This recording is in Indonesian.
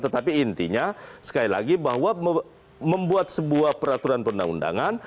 tetapi intinya sekali lagi bahwa membuat sebuah peraturan perundang undangan